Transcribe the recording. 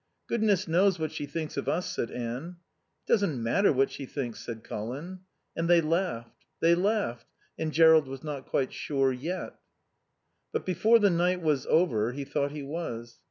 "Goodness knows what she thinks of us," said Anne. "It doesn't matter what she thinks," said Colin. And they laughed; they laughed; and Jerrold was not quite sure, yet. But before the night was over he thought he was.